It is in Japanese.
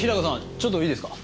ちょっといいですか。